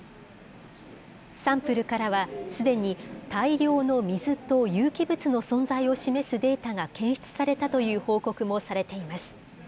サンプルからは、すでに大量の水と有機物の存在を示すデータが検出されたという報告もされています。